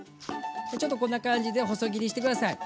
ちょっとこんな感じで細切りにして下さい。